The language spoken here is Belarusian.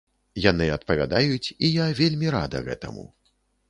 Яны адпавядаюць, і я вельмі рада гэтаму.